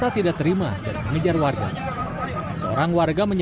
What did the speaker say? aku gak roh gak roh apa apa